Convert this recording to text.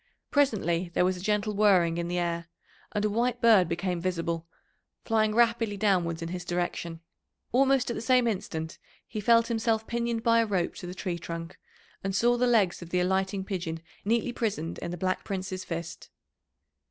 Presently there was a gentle whirring in the air, and a white bird became visible, flying rapidly downwards in his direction. Almost at the same instant he felt himself pinioned by a rope to the tree trunk, and saw the legs of the alighting pigeon neatly prisoned in the Black Prince's fist.